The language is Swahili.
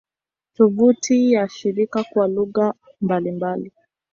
Tovuti ya shirika kwa lugha mbalimbali